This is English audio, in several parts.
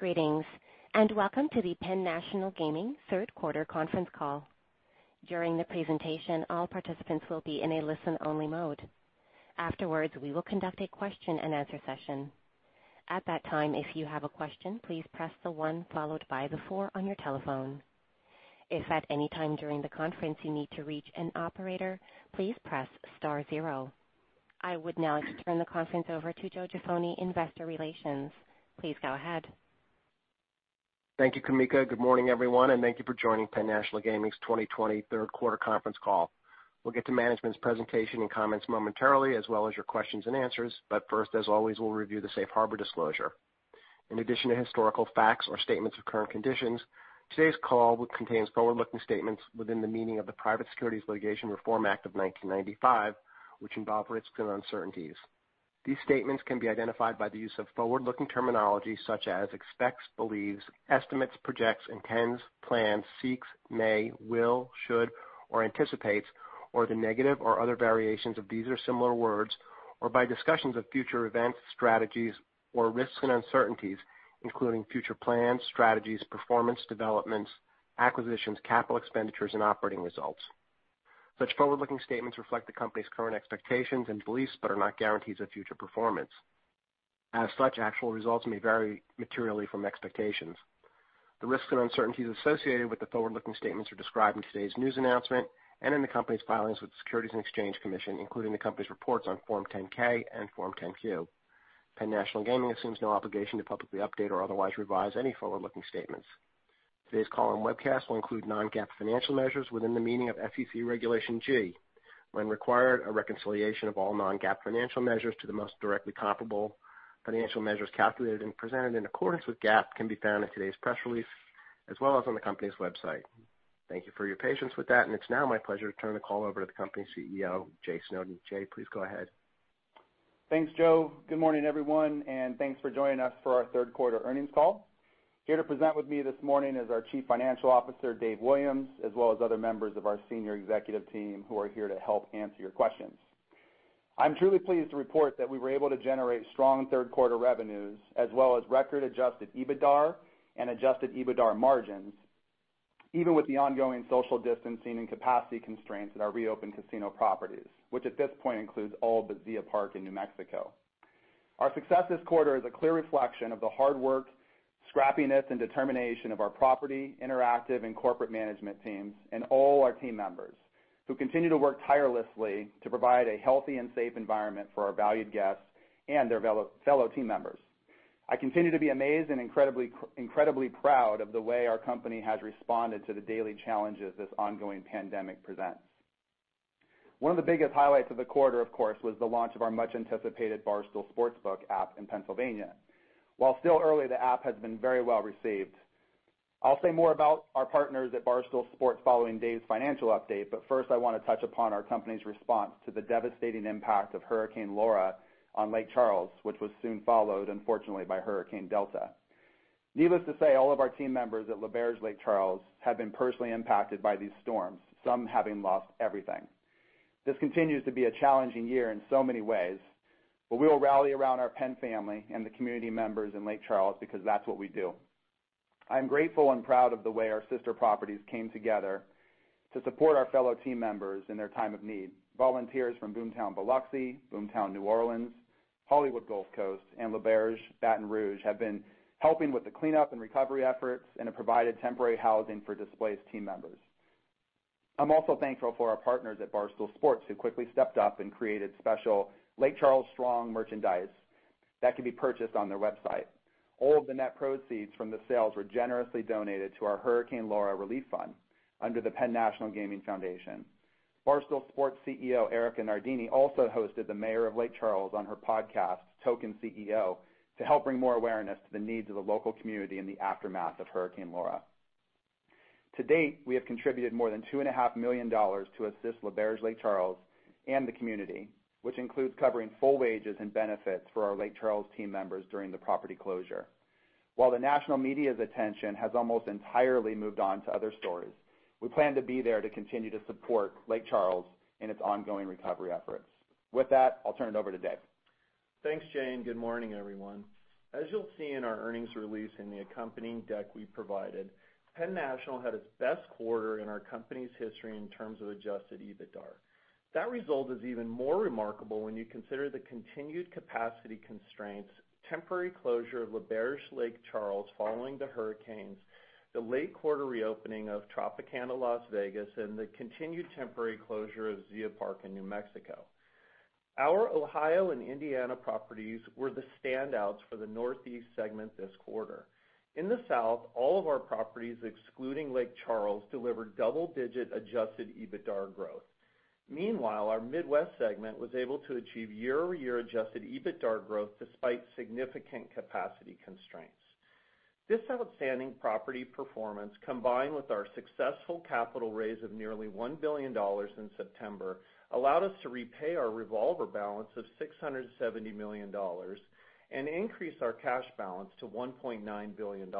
Greetings, and welcome to the Penn National Gaming third quarter conference call. During the presentation, all participants will be in a listen-only mode. Afterwards, we will conduct a question-and-answer session. At that time if you have a question please press the one followed by the four on your telephone. If at any time during the conference you need to reach an operator please press star followed by zero. I would now like to turn the conference over to Joe Jaffoni, Investor Relations. Please go ahead. Thank you, Kamika. Good morning, everyone, and thank you for joining Penn National Gaming's 2020 third quarter conference call. We'll get to management's presentation and comments momentarily, as well as your questions and answers. First, as always, we'll review the Safe Harbor disclosure. In addition to historical facts or statements of current conditions, today's call contains forward-looking statements within the meaning of the Private Securities Litigation Reform Act of 1995, which involve risks and uncertainties. These statements can be identified by the use of forward-looking terminology such as expects, believes, estimates, projects, intends, plans, seeks, may, will, should, or anticipates, or the negative or other variations of these or similar words, or by discussions of future events, strategies, or risks and uncertainties, including future plans, strategies, performance, developments, acquisitions, capital expenditures, and operating results. Such forward-looking statements reflect the company's current expectations and beliefs but are not guarantees of future performance. As such, actual results may vary materially from expectations. The risks and uncertainties associated with the forward-looking statements are described in today's news announcement and in the company's filings with the Securities and Exchange Commission, including the company's reports on Form 10-K and Form 10-Q. Penn National Gaming assumes no obligation to publicly update or otherwise revise any forward-looking statements. Today's call and webcast will include non-GAAP financial measures within the meaning of SEC Regulation G. When required, a reconciliation of all non-GAAP financial measures to the most directly comparable financial measures calculated and presented in accordance with GAAP can be found in today's press release, as well as on the company's website. Thank you for your patience with that, and it's now my pleasure to turn the call over to the company's CEO, Jay Snowden. Jay, please go ahead. Thanks, Joe. Good morning, everyone, and thanks for joining us for our third-quarter earnings call. Here to present with me this morning is our Chief Financial Officer, Dave Williams, as well as other members of our senior executive team who are here to help answer your questions. I'm truly pleased to report that we were able to generate strong third-quarter revenues as well as record adjusted EBITDA and adjusted EBITDA margins, even with the ongoing social distancing and capacity constraints at our reopened casino properties, which at this point includes all but Zia Park in New Mexico. Our success this quarter is a clear reflection of the hard work, scrappiness, and determination of our property, interactive, and corporate management teams and all our team members who continue to work tirelessly to provide a healthy and safe environment for our valued guests and their fellow team members. I continue to be amazed and incredibly proud of the way our company has responded to the daily challenges this ongoing pandemic presents. One of the biggest highlights of the quarter, of course, was the launch of our much-anticipated Barstool Sportsbook app in Pennsylvania. While still early, the app has been very well received. I'll say more about our partners at Barstool Sports following Dave's financial update, but first, I want to touch upon our company's response to the devastating impact of Hurricane Laura on Lake Charles, which was soon followed, unfortunately, by Hurricane Delta. Needless to say, all of our team members at L'Auberge Lake Charles have been personally impacted by these storms, some having lost everything. This continues to be a challenging year in so many ways. We will rally around our Penn family and the community members in Lake Charles because that's what we do. I am grateful and proud of the way our sister properties came together to support our fellow team members in their time of need. Volunteers from Boomtown Biloxi, Boomtown New Orleans, Hollywood Gulf Coast, and L'Auberge Baton Rouge have been helping with the cleanup and recovery efforts and have provided temporary housing for displaced team members. I'm also thankful for our partners at Barstool Sports, who quickly stepped up and created special Lake Charles Strong merchandise that can be purchased on their website. All of the net proceeds from the sales were generously donated to our Hurricane Laura Relief Fund under the Penn National Gaming Foundation. Barstool Sports CEO, Erika Nardini, also hosted the mayor of Lake Charles on her podcast, "Token CEO", to help bring more awareness to the needs of the local community in the aftermath of Hurricane Laura. To date, we have contributed more than $2.5 million to assist L'Auberge Lake Charles and the community, which includes covering full wages and benefits for our Lake Charles team members during the property closure. While the national media's attention has almost entirely moved on to other stories, we plan to be there to continue to support Lake Charles in its ongoing recovery efforts. With that, I'll turn it over to Dave. Thanks, Jay, and good morning, everyone. As you'll see in our earnings release and the accompanying deck we provided, Penn National had its best quarter in our company's history in terms of adjusted EBITDA. That result is even more remarkable when you consider the continued capacity constraints, temporary closure of L'Auberge Lake Charles following the hurricanes, the late quarter reopening of Tropicana Las Vegas, and the continued temporary closure of Zia Park in New Mexico. Our Ohio and Indiana properties were the standouts for the Northeast segment this quarter. In the South, all of our properties, excluding Lake Charles, delivered double-digit adjusted EBITDA growth. Meanwhile, our Midwest segment was able to achieve year-over-year adjusted EBITDA growth despite significant capacity constraints. This outstanding property performance, combined with our successful capital raise of nearly $1 billion in September, allowed us to repay our revolver balance of $670 million and increase our cash balance to $1.9 billion.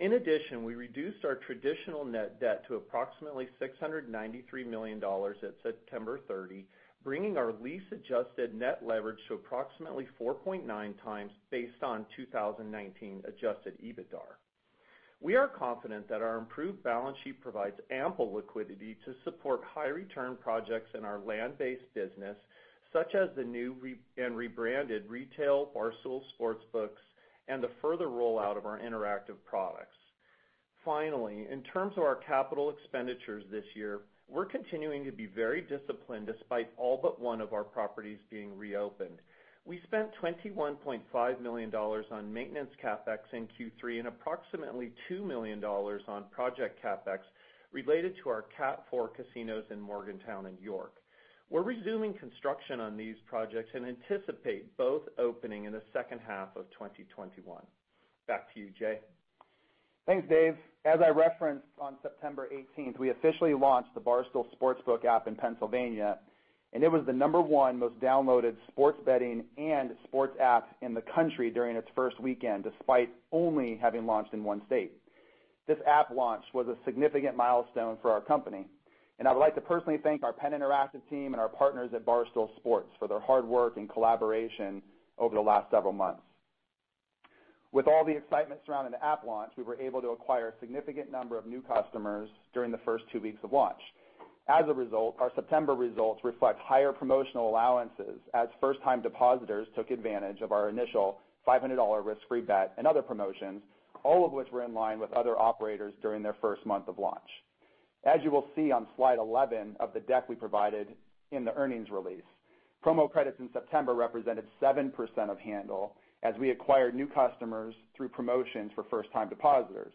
We reduced our traditional net debt to approximately $693 million at September 30, bringing our lease-adjusted net leverage to approximately 4.9 times based on 2019 adjusted EBITDA. We are confident that our improved balance sheet provides ample liquidity to support high-return projects in our land-based business, such as the new and rebranded retail Barstool Sportsbooks and the further rollout of our interactive products. In terms of our capital expenditures this year, we're continuing to be very disciplined despite all but one of our properties being reopened. We spent $21.5 million on maintenance CapEx in Q3 and approximately $2 million on project CapEx related to our Cat 4 casinos in Morgantown and York. We're resuming construction on these projects and anticipate both opening in the second half of 2021. Back to you, Jay. Thanks, Dave. As I referenced on September 18th, we officially launched the Barstool Sportsbook app in Pennsylvania, and it was the number one most downloaded sports betting and sports app in the country during its first weekend, despite only having launched in one state. This app launch was a significant milestone for our company, and I would like to personally thank our Penn Interactive team and our partners at Barstool Sports for their hard work and collaboration over the last several months. With all the excitement surrounding the app launch, we were able to acquire a significant number of new customers during the first two weeks of launch. As a result, our September results reflect higher promotional allowances as first-time depositors took advantage of our initial $500 risk-free bet and other promotions, all of which were in line with other operators during their first month of launch. As you will see on slide 11 of the deck we provided in the earnings release, promo credits in September represented 7% of handle as we acquired new customers through promotions for first-time depositors.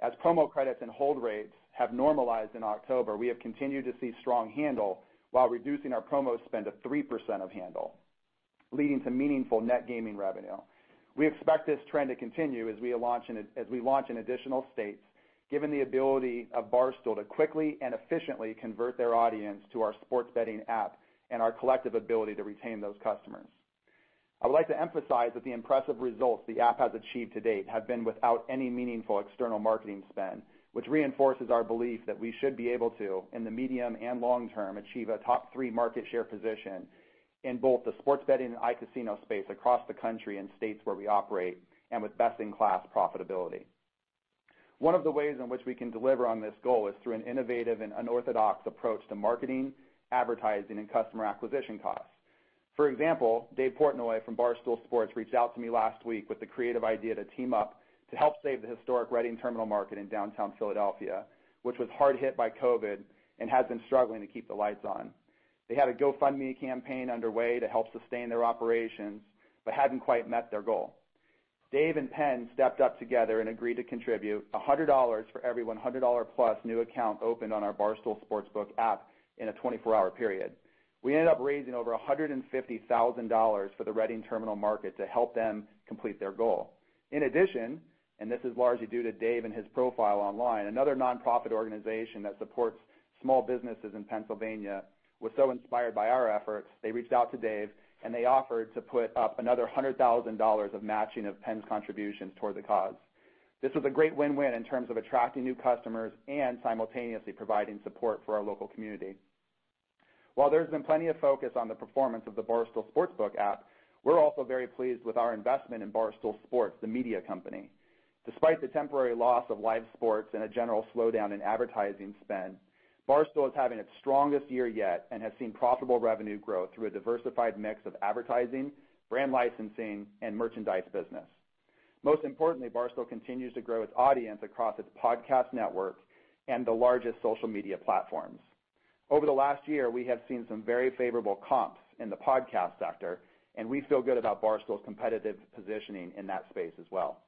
As promo credits and hold rates have normalized in October, we have continued to see strong handle while reducing our promo spend to 3% of handle, leading to meaningful net gaming revenue. We expect this trend to continue as we launch in additional states, given the ability of Barstool to quickly and efficiently convert their audience to our sports betting app and our collective ability to retain those customers. I would like to emphasize that the impressive results the app has achieved to date have been without any meaningful external marketing spend. Reinforces our belief that we should be able to, in the medium and long term, achieve a top three market share position in both the sports betting and iCasino space across the country in states where we operate and with best-in-class profitability. One of the ways in which we can deliver on this goal is through an innovative and unorthodox approach to marketing, advertising, and customer acquisition costs. For example, Dave Portnoy from Barstool Sports reached out to me last week with the creative idea to team up to help save the historic Reading Terminal Market in downtown Philadelphia, which was hard hit by COVID and has been struggling to keep the lights on. They had a GoFundMe campaign underway to help sustain their operations but hadn't quite met their goal. Dave and Penn stepped up together and agreed to contribute $100 for every $100+ new account opened on our Barstool Sportsbook app in a 24-hour period. We ended up raising over $150,000 for the Reading Terminal Market to help them complete their goal. In addition, this is largely due to Dave and his profile online, another nonprofit organization that supports small businesses in Pennsylvania was so inspired by our efforts, they reached out to Dave, and they offered to put up another $100,000 of matching of Penn's contributions toward the cause. This was a great win-win in terms of attracting new customers and simultaneously providing support for our local community. While there's been plenty of focus on the performance of the Barstool Sportsbook app, we're also very pleased with our investment in Barstool Sports, the media company. Despite the temporary loss of live sports and a general slowdown in advertising spend, Barstool is having its strongest year yet and has seen profitable revenue growth through a diversified mix of advertising, brand licensing, and merchandise business. Most importantly, Barstool continues to grow its audience across its podcast network and the largest social media platforms. Over the last year, we have seen some very favorable comps in the podcast sector, and we feel good about Barstool's competitive positioning in that space as well.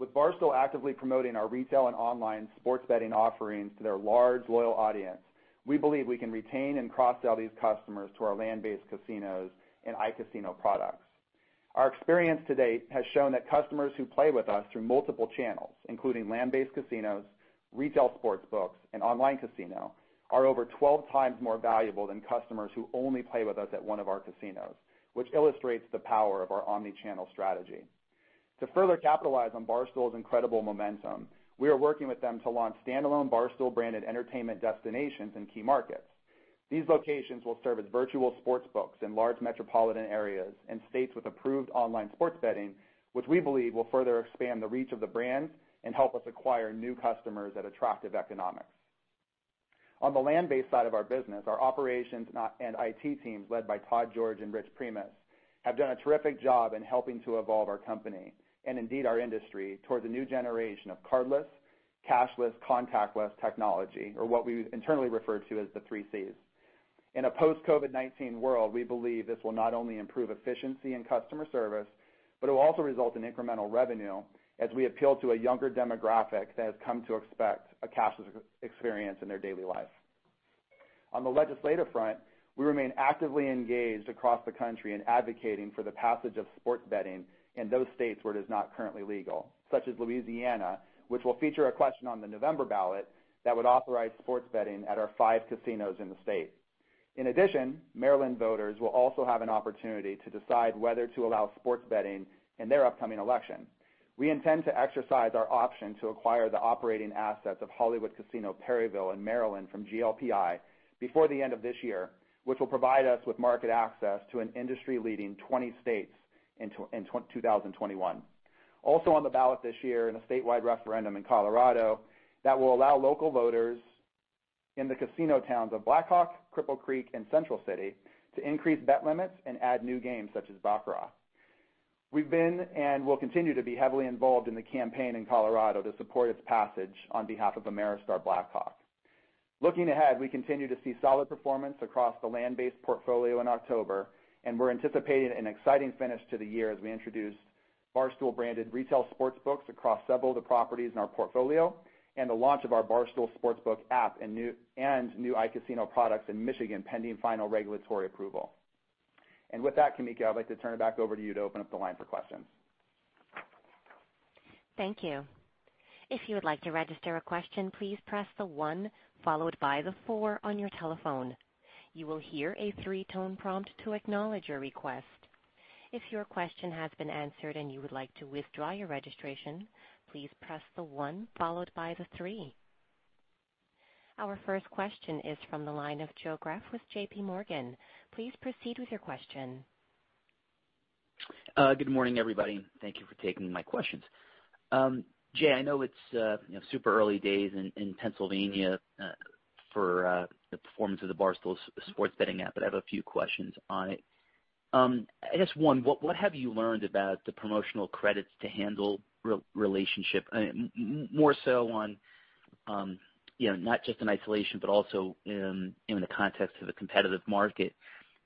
With Barstool actively promoting our retail and online sports betting offerings to their large, loyal audience, we believe we can retain and cross-sell these customers to our land-based casinos and iCasino products. Our experience to date has shown that customers who play with us through multiple channels, including land-based casinos, retail sportsbooks, and online casino, are over 12 times more valuable than customers who only play with us at one of our casinos, which illustrates the power of our omni-channel strategy. To further capitalize on Barstool's incredible momentum, we are working with them to launch standalone Barstool-branded entertainment destinations in key markets. These locations will serve as virtual sportsbooks in large metropolitan areas and states with approved online sports betting, which we believe will further expand the reach of the brand and help us acquire new customers at attractive economics. On the land-based side of our business, our operations and IT teams, led by Todd George and Rich Primus, have done a terrific job in helping to evolve our company and indeed our industry towards a new generation of cardless, cashless, contactless technology or what we internally refer to as the three Cs. In a post-COVID-19 world, we believe this will not only improve efficiency and customer service, but it will also result in incremental revenue as we appeal to a younger demographic that has come to expect a cashless experience in their daily life. On the legislative front, we remain actively engaged across the country in advocating for the passage of sports betting in those states where it is not currently legal, such as Louisiana, which will feature a question on the November ballot that would authorize sports betting at our five casinos in the state. In addition, Maryland voters will also have an opportunity to decide whether to allow sports betting in their upcoming election. We intend to exercise our option to acquire the operating assets of Hollywood Casino Perryville in Maryland from GLPI before the end of this year, which will provide us with market access to an industry-leading 20 states in 2021. On the ballot this year in a statewide referendum in Colorado that will allow local voters in the casino towns of Black Hawk, Cripple Creek, and Central City to increase bet limits and add new games such as baccarat. We've been, and will continue to be, heavily involved in the campaign in Colorado to support its passage on behalf of Ameristar Black Hawk. Looking ahead, we continue to see solid performance across the land-based portfolio in October, and we're anticipating an exciting finish to the year as we introduce Barstool-branded retail sportsbooks across several of the properties in our portfolio and the launch of our Barstool Sportsbook app and new iCasino products in Michigan, pending final regulatory approval. With that, Kamika, I'd like to turn it back over to you to open up the line for questions. Thank you. If you would like to register a question please press the one followed by the four on your telephone. You will hear a three tone prompt to acknowledge your request. If your question has been answered and you would like to withdraw your registration please press the one followed by the three. Our first question is from the line of Joe Greff with J.P. Morgan. Please proceed with your question. Good morning, everybody. Thank you for taking my questions. Jay, I know it's super early days in Pennsylvania for the performance of the Barstool sports betting app. I have a few questions on it. I guess one, what have you learned about the promotional credits to handle relationship, more so on not just in isolation, but also in the context of a competitive market?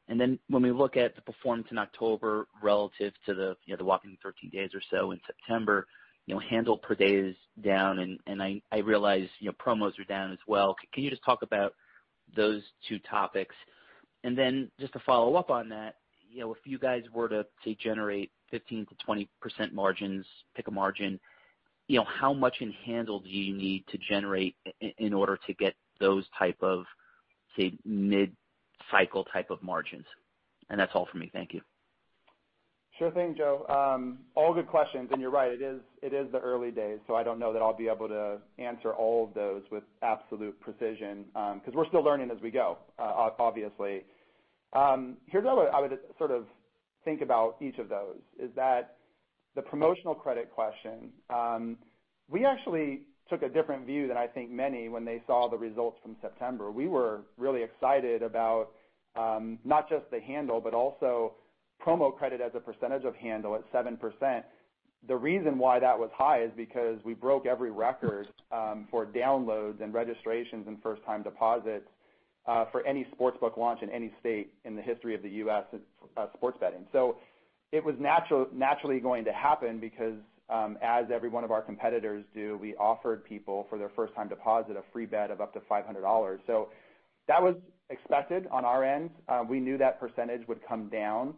When we look at the performance in October relative to the walking 13 days or so in September, handle per day is down, and I realize promos are down as well. Can you just talk about those two topics? Just to follow up on that, if you guys were to, say, generate 15%-20% margins, pick a margin, how much in handle do you need to generate in order to get those type of, say, mid-cycle type of margins? That's all for me. Thank you. Sure thing, Joe. All good questions, and you're right, it is the early days, so I don't know that I'll be able to answer all of those with absolute precision, because we're still learning as we go, obviously. Here's how I would think about each of those, is that the promotional credit question, we actually took a different view than I think many when they saw the results from September. We were really excited about not just the handle, but also promo credit as a percentage of handle at 7%. The reason why that was high is because we broke every record for downloads and registrations and first-time deposits for any sportsbook launch in any state in the history of the U.S. sports betting. It was naturally going to happen because, as every one of our competitors do, we offered people, for their first-time deposit, a free bet of up to $500. That was expected on our end. We knew that percentage would come down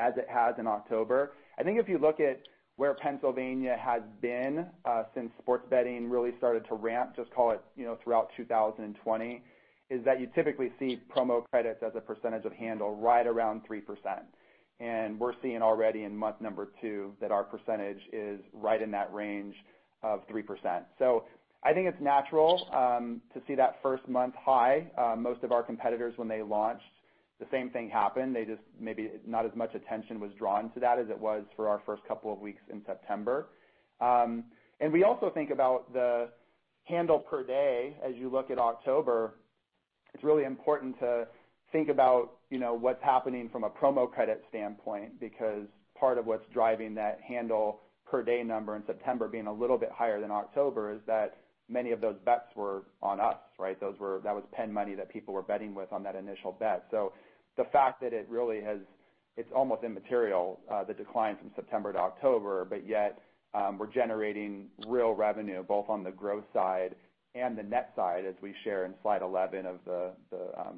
as it has in October. I think if you look at where Pennsylvania has been since sports betting really started to ramp, just call it throughout 2020, is that you typically see promo credits as a percentage of handle right around 3%. We're seeing already in month number two that our percentage is right in that range of 3%. I think it's natural to see that first-month high. Most of our competitors, when they launched, the same thing happened. They just maybe not as much attention was drawn to that as it was for our first couple of weeks in September. We also think about the handle per day. As you look at October, it's really important to think about what's happening from a promo credit standpoint, because part of what's driving that handle per day number in September being a little bit higher than October is that many of those bets were on us, right? That was PENN money that people were betting with on that initial bet. The fact that it's almost immaterial, the decline from September to October, but yet we're generating real revenue both on the growth side and the net side, as we share in slide 11 of the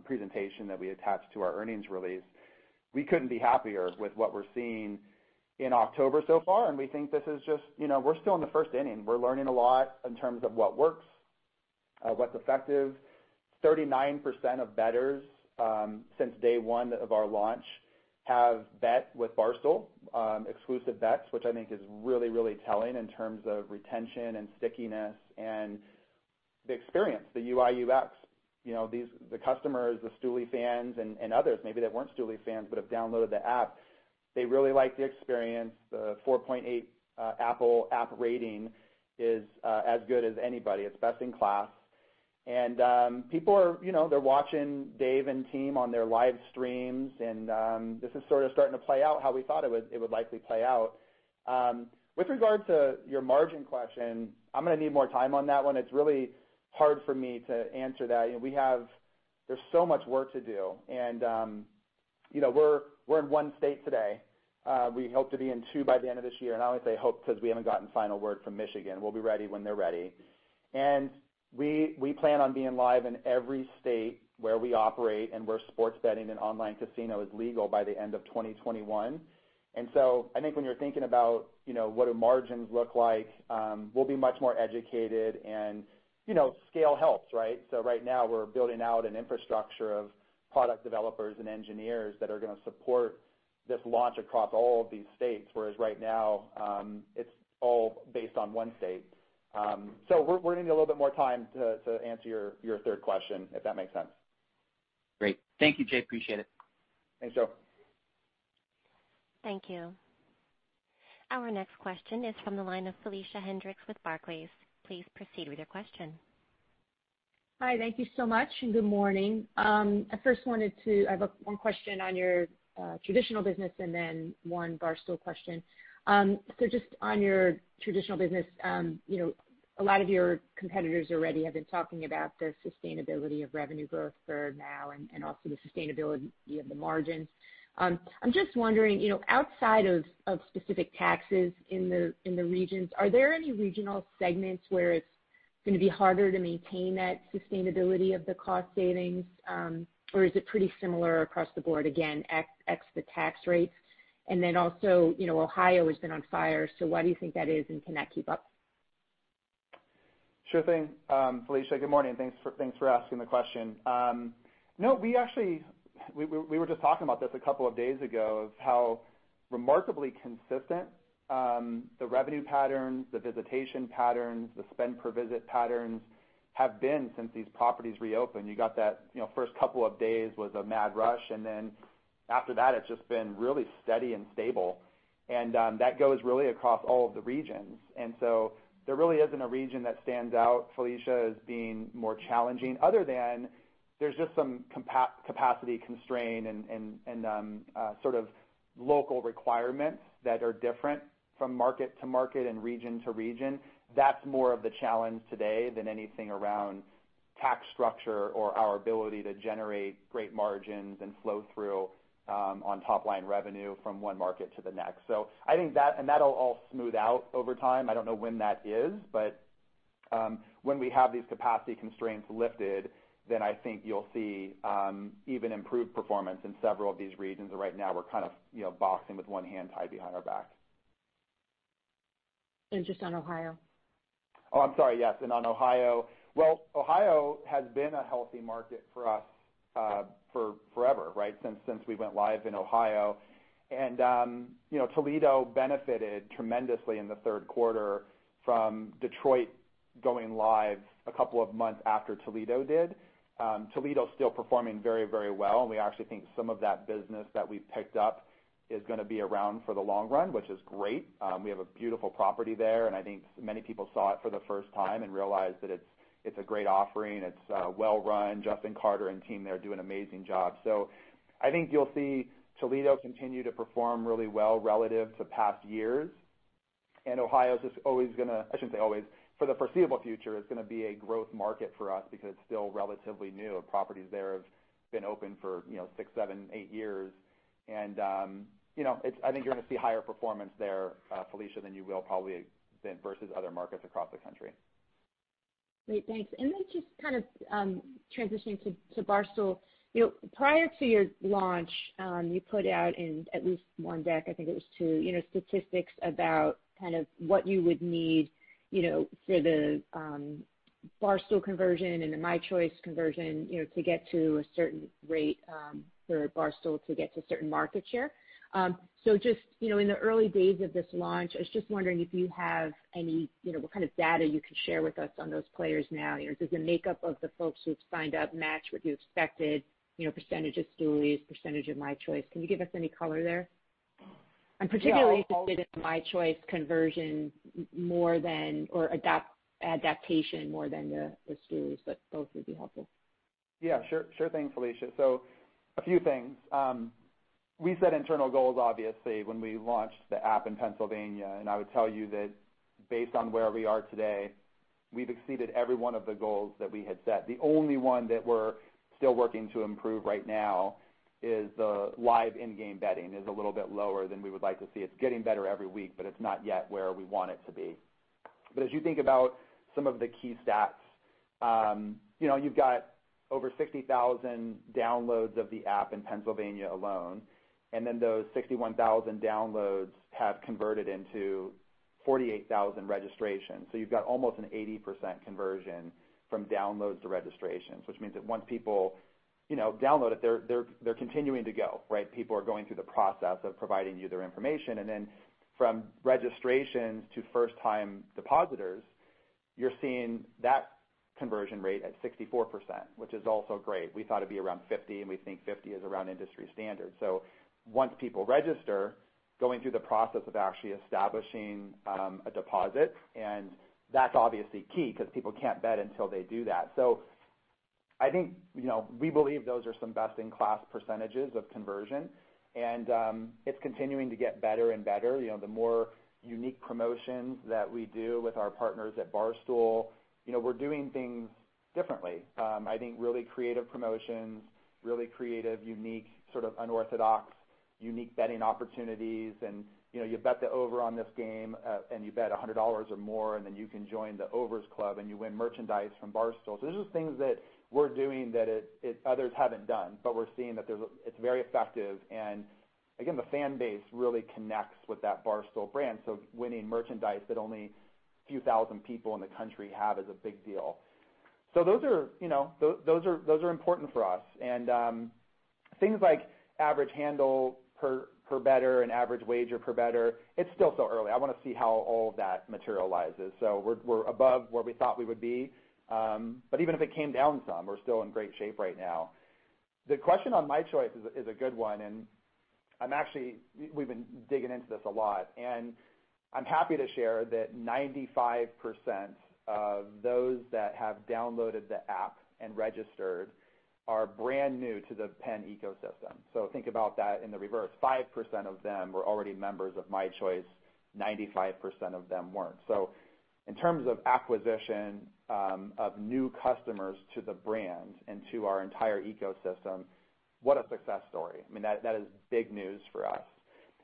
presentation that we attached to our earnings release. We couldn't be happier with what we're seeing in October so far, we think this is just, we're still in the first inning. We're learning a lot in terms of what works, what's effective. 39% of bettors since day one of our launch have bet with Barstool exclusive bets, which I think is really telling in terms of retention and stickiness and the experience, the UI/UX. The customers, the Stoolie fans and others, maybe that weren't Stoolie fans, but have downloaded the app, they really like the experience. The 4.8 Apple app rating is as good as anybody. It's best in class. People are watching Dave and team on their live streams, this is sort of starting to play out how we thought it would likely play out. With regard to your margin question, I'm going to need more time on that one. It's really hard for me to answer that. There's so much work to do, we're in one state today. We hope to be in two by the end of this year. I only say hope because we haven't gotten final word from Michigan. We'll be ready when they're ready. We plan on being live in every state where we operate and where sports betting and online casino is legal by the end of 2021. I think when you're thinking about what do margins look like, we'll be much more educated. Scale helps, right? Right now we're building out an infrastructure of product developers and engineers that are going to support this launch across all of these states, whereas right now it's all based on one state. We're going to need a little bit more time to answer your third question, if that makes sense. Great. Thank you, Jay. Appreciate it. Thanks, Joe. Thank you. Our next question is from the line of Felicia Hendrix with Barclays. Please proceed with your question. Hi. Thank you so much, and good morning. I have one question on your traditional business and then one Barstool question. Just on your traditional business, a lot of your competitors already have been talking about their sustainability of revenue growth for now and also the sustainability of the margins. I'm just wondering, outside of specific taxes in the regions, are there any regional segments where it's going to be harder to maintain that sustainability of the cost savings? Or is it pretty similar across the board, again, ex the tax rates? Also, Ohio has been on fire, so why do you think that is, and can that keep up? Sure thing. Felicia, good morning. Thanks for asking the question. No, we were just talking about this a couple of days ago, of how remarkably consistent the revenue patterns, the visitation patterns, the spend per visit patterns have been since these properties reopened. You got that first couple of days was a mad rush, and then after that, it's just been really steady and stable. That goes really across all of the regions. There really isn't a region that stands out, Felicia, as being more challenging other than there's just some capacity constraint and sort of local requirements that are different from market to market and region to region. That's more of the challenge today than anything around tax structure or our ability to generate great margins and flow through on top-line revenue from one market to the next. I think that'll all smooth out over time. I don't know when that is, but when we have these capacity constraints lifted, then I think you'll see even improved performance in several of these regions. Right now we're kind of boxing with one hand tied behind our back. Just on Ohio. I'm sorry. Yes, on Ohio. Ohio has been a healthy market for us forever, since we went live in Ohio. Toledo benefited tremendously in the third quarter from Detroit going live a couple of months after Toledo did. Toledo's still performing very well, and we actually think some of that business that we've picked up is going to be around for the long run, which is great. We have a beautiful property there, and I think many people saw it for the first time and realized that it's a great offering. It's well run. Justin Carter and team there do an amazing job. I think you'll see Toledo continue to perform really well relative to past years. Ohio's just always going to, I shouldn't say always, for the foreseeable future, it's going to be a growth market for us because it's still relatively new. Properties there have been open for six, seven, eight years. I think you're going to see higher performance there, Felicia, than you will probably versus other markets across the country. Great, thanks. Just kind of transitioning to Barstool. Prior to your launch, you put out in at least one deck, I think it was two, statistics about kind of what you would need for the Barstool conversion and the mychoice conversion to get to a certain rate for Barstool to get to a certain market share. Just in the early days of this launch, I was just wondering if you have any, what kind of data you could share with us on those players now? Does the makeup of the folks who've signed up match what you expected, percentage of Stoolies, percentage of mychoice? Can you give us any color there? I'm particularly interested in mychoice conversion more than, or adaptation more than the Stoolies, but both would be helpful. Yeah, sure thing, Felicia. A few things. We set internal goals, obviously, when we launched the app in Pennsylvania, and I would tell you that based on where we are today, we've exceeded every one of the goals that we had set. The only one that we're still working to improve right now is the live in-game betting. It's a little bit lower than we would like to see. It's getting better every week, but it's not yet where we want it to be. As you think about some of the key stats, you've got over 60,000 downloads of the app in Pennsylvania alone, and then those 61,000 downloads have converted into 48,000 registrations. You've got almost an 80% conversion from downloads to registrations, which means that once people download it, they're continuing to go, right? People are going through the process of providing you their information. From registrations to first-time depositors, you're seeing that conversion rate at 64%, which is also great. We thought it'd be around 50, and we think 50 is around industry standard. Once people register, going through the process of actually establishing a deposit, and that's obviously key because people can't bet until they do that. I think we believe those are some best-in-class percentages of conversion, and it's continuing to get better and better. The more unique promotions that we do with our partners at Barstool, we're doing things differently. I think really creative promotions, really creative, unique, sort of unorthodox, unique betting opportunities, and you bet the over on this game and you bet $100 or more, and then you can join the Overs Club and you win merchandise from Barstool. These are things that we're doing that others haven't done, but we're seeing that it's very effective and again, the fan base really connects with that Barstool brand, so winning merchandise that only a few thousand people in the country have is a big deal. Those are important for us. Things like average handle per bettor and average wager per bettor, it's still so early. I want to see how all of that materializes. We're above where we thought we would be. Even if it came down some, we're still in great shape right now. The question on mychoice is a good one, and we've been digging into this a lot, and I'm happy to share that 95% of those that have downloaded the app and registered are brand new to the PENN ecosystem. Think about that in the reverse. 5% of them were already members of mychoice, 95% of them weren't. In terms of acquisition of new customers to the brand and to our entire ecosystem, what a success story. I mean, that is big news for us.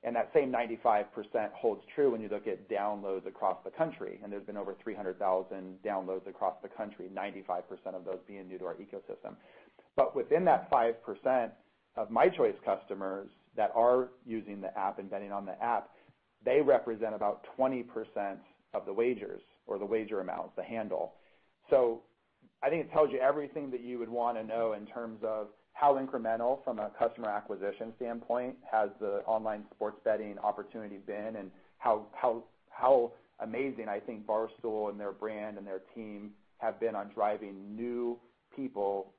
That same 95% holds true when you look at downloads across the country, and there's been over 300,000 downloads across the country, 95% of those being new to our ecosystem. Within that 5% of mychoice customers that are using the app and betting on the app, they represent about 20% of the wagers or the wager amounts, the handle. I think it tells you everything that you would want to know in terms of how incremental from a customer acquisition standpoint has the online Sportsbook opportunity been, and how amazing I think Barstool and their brand and their team have been on driving new people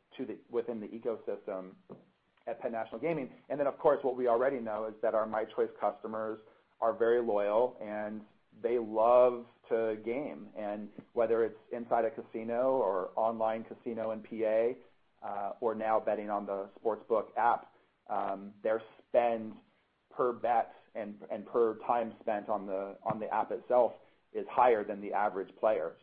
within the ecosystem at Penn National Gaming. Of course, what we already know is that our mychoice customers are very loyal, and they love to game. Whether it's inside a casino or online casino in PA, or now betting on the Sportsbook app, their spend per bet and per time spent on the app itself is higher than the average player.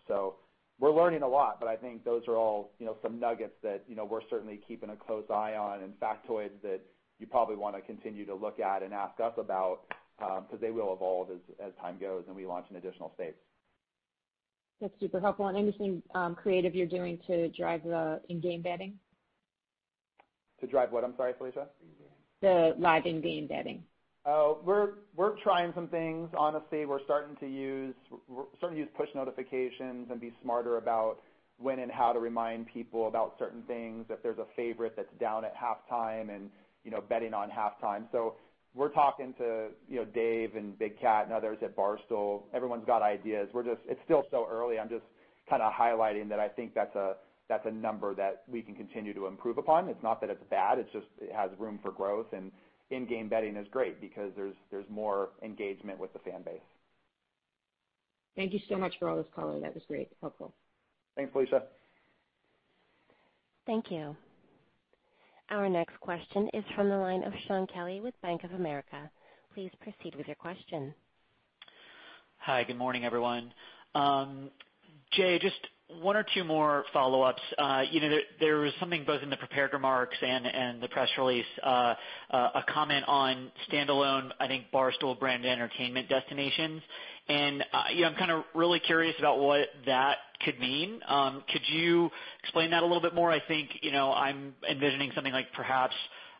We're learning a lot, but I think those are all some nuggets that we're certainly keeping a close eye on and factoids that you probably want to continue to look at and ask us about, because they will evolve as time goes and we launch in additional states. That's super helpful. Anything creative you're doing to drive the in-game betting? To drive what? I'm sorry, Felicia. The live in-game betting. We're trying some things. Honestly, we're starting to use push notifications and be smarter about when and how to remind people about certain things, if there's a favorite that's down at halftime and betting on halftime. We're talking to Dave and Big Cat and others at Barstool. Everyone's got ideas. It's still so early. I'm just highlighting that I think that's a number that we can continue to improve upon. It's not that it's bad, it's just it has room for growth, in-game betting is great because there's more engagement with the fan base. Thank you so much for all this color. That was great. Helpful. Thanks, Felicia. Thank you. Our next question is from the line of Shaun Kelley with Bank of America. Please proceed with your question. Hi. Good morning, everyone. Jay, just one or two more follow-ups. There was something both in the prepared remarks and the press release, a comment on standalone, I think Barstool brand entertainment destinations. I'm really curious about what that could mean. Could you explain that a little bit more? I think, I'm envisioning something like perhaps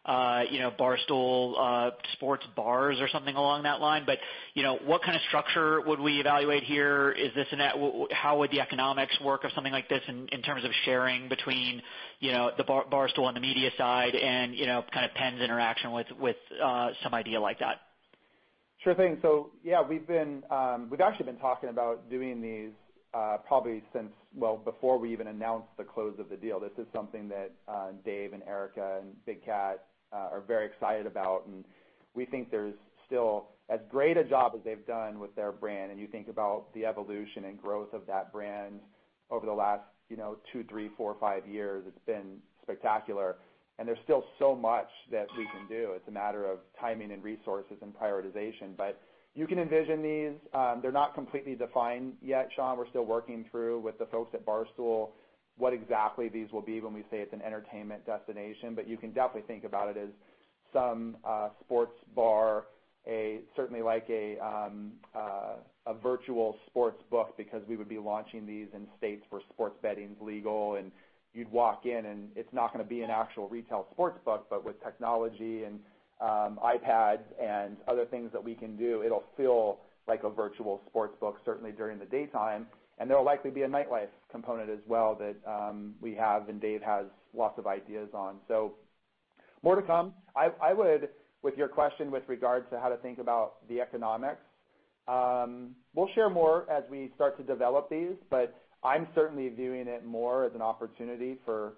Barstool sports bars or something along that line. What kind of structure would we evaluate here? How would the economics work of something like this in terms of sharing between Barstool on the media side and kind of Penn's interaction with some idea like that? Sure thing. Yeah, we've actually been talking about doing these probably since, well, before we even announced the close of the deal. This is something that Dave and Erika and Big Cat are very excited about, and we think there's still, as great a job as they've done with their brand, and you think about the evolution and growth of that brand over the last two, three, four, five years, it's been spectacular, and there's still so much that we can do. It's a matter of timing and resources and prioritization. You can envision these. They're not completely defined yet, Shaun. We're still working through with the folks at Barstool what exactly these will be when we say it's an entertainment destination. You can definitely think about it as some sports bar, certainly like a virtual sports book, because we would be launching these in states where sports betting's legal, and you'd walk in, and it's not going to be an actual retail sports book, but with technology and iPads and other things that we can do, it'll feel like a virtual sports book, certainly during the daytime. There will likely be a nightlife component as well that we have, and Dave has lots of ideas on. More to come. I would, with your question with regards to how to think about the economics, we'll share more as we start to develop these, but I'm certainly viewing it more as an opportunity for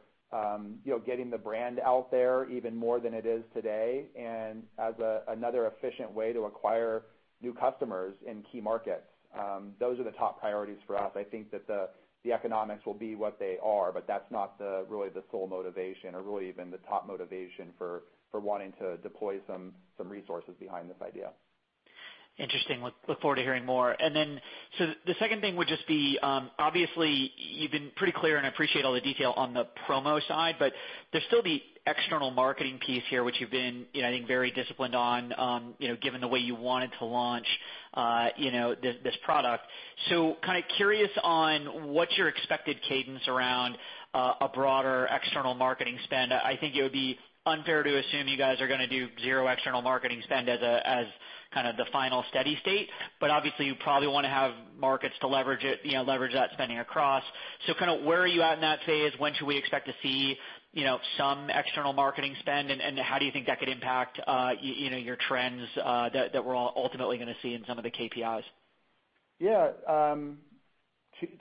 getting the brand out there even more than it is today and as another efficient way to acquire new customers in key markets. Those are the top priorities for us. I think that the economics will be what they are, but that's not really the sole motivation or really even the top motivation for wanting to deploy some resources behind this idea. Interesting. Look forward to hearing more. The second thing would just be, obviously, you've been pretty clear, and I appreciate all the detail on the promo side, but there's still the external marketing piece here, which you've been, I think, very disciplined on given the way you wanted to launch this product. Curious on what your expected cadence around a broader external marketing spend. I think it would be unfair to assume you guys are going to do zero external marketing spend as the final steady state. Obviously, you probably want to have markets to leverage that spending across. Where are you at in that phase? When should we expect to see some external marketing spend? How do you think that could impact your trends that we're all ultimately going to see in some of the KPIs? Yeah.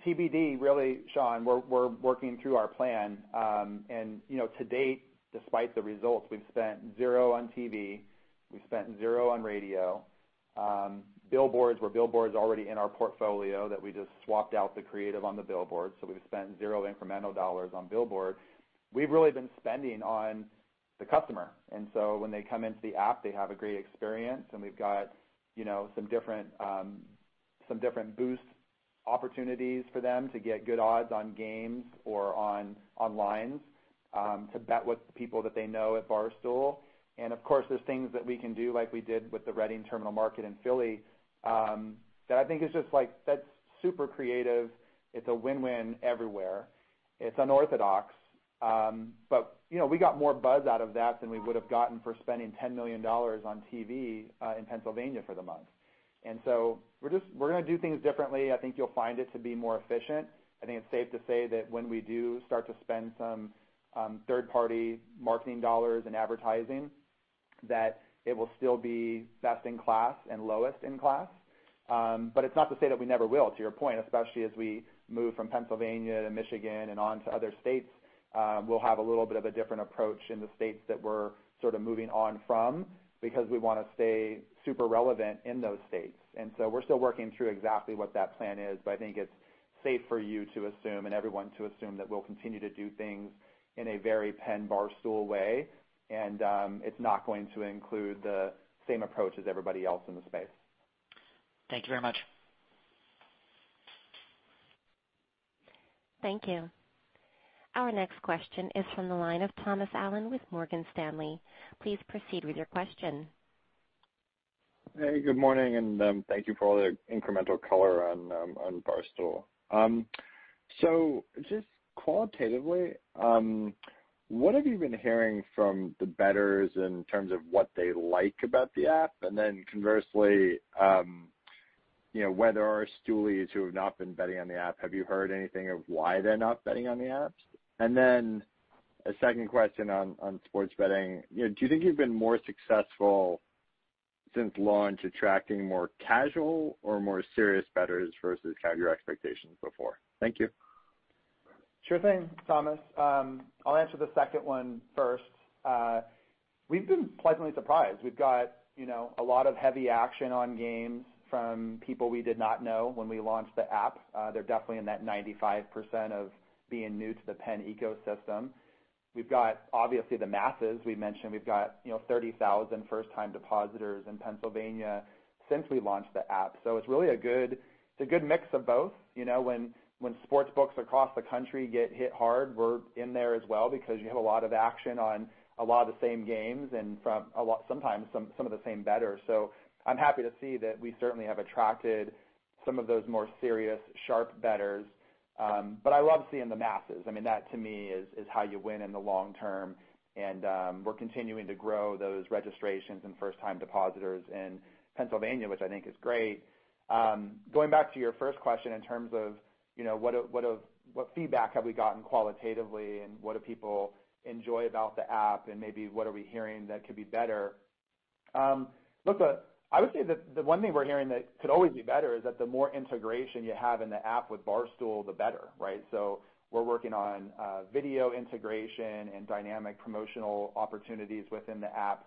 TBD really, Shaun. We're working through our plan. To date, despite the results, we've spent zero on TV, we've spent zero on radio. Billboards were billboards already in our portfolio that we just swapped out the creative on the billboard. We've spent zero incremental dollars on billboard. We've really been spending on the customer. When they come into the app, they have a great experience. We've got some different boost opportunities for them to get good odds on games or on lines to bet with the people that they know at Barstool. Of course, there's things that we can do like we did with the Reading Terminal Market in Philly, that I think is just like, that's super creative. It's a win-win everywhere. It's unorthodox. We got more buzz out of that than we would have gotten for spending $10 million on TV in Pennsylvania for the month. We're going to do things differently. I think you'll find it to be more efficient. I think it's safe to say that when we do start to spend some third-party marketing dollars in advertising, that it will still be best in class and lowest in class. It's not to say that we never will, to your point, especially as we move from Pennsylvania to Michigan and on to other states. We'll have a little bit of a different approach in the states that we're sort of moving on from because we want to stay super relevant in those states. We're still working through exactly what that plan is, but I think it's safe for you to assume and everyone to assume that we'll continue to do things in a very Penn Barstool way. It's not going to include the same approach as everybody else in the space. Thank you very much. Thank you. Our next question is from the line of Thomas Allen with Morgan Stanley. Please proceed with your question. Hey, good morning, and thank you for all the incremental color on Barstool. Just qualitatively, what have you been hearing from the bettors in terms of what they like about the app? Conversely, whether our Stoolies who have not been betting on the app, have you heard anything of why they're not betting on the apps? A second question on sports betting. Do you think you've been more successful since launch attracting more casual or more serious bettors versus your expectations before? Thank you. Sure thing, Thomas. I'll answer the second one first. We've been pleasantly surprised. We've got a lot of heavy action on games from people we did not know when we launched the app. They're definitely in that 95% of being new to the PENN ecosystem. We've got, obviously, the masses. We've mentioned we've got 30,000 first-time depositors in Pennsylvania since we launched the app. It's really a good mix of both. When sportsbooks across the country get hit hard, we're in there as well because you have a lot of action on a lot of the same games and sometimes some of the same bettors. I'm happy to see that we certainly have attracted some of those more serious, sharp bettors. I love seeing the masses. I mean, that to me is how you win in the long term. We're continuing to grow those registrations and first-time depositors in Pennsylvania, which I think is great. Going back to your first question in terms of what feedback have we gotten qualitatively and what do people enjoy about the app and maybe what are we hearing that could be better. Look, I would say that the one thing we're hearing that could always be better is that the more integration you have in the app with Barstool, the better, right? We're working on video integration and dynamic promotional opportunities within the app.